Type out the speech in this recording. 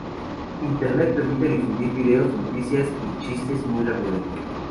Internet permite difundir videos, noticias y chistes muy rápidamente.